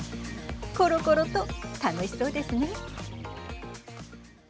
ころころと楽しそうですね。